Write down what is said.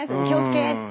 気をつけ！